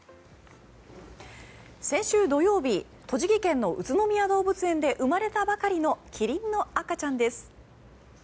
先週土曜日栃木県の宇都宮動物園で生まれたばかりのキリンの赤ちゃんです。